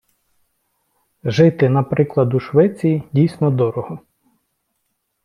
Жити, наприклад, у Швеції, дійсно дорого.